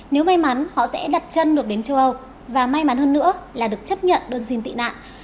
nếu may mắn họ sẽ đặt chân được đến châu âu và may mắn hơn nữa là được chấp nhận đơn xin tị nạn